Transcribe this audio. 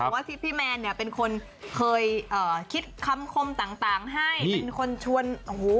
พี่แมนเนี่ยเคยคิดคำคมต่างเสร็จเพียงให้